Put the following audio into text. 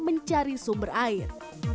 mencari sumber air